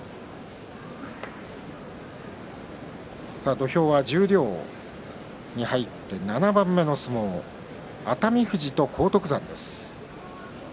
土俵は十両に入って７番目の相撲熱海富士と荒篤山です。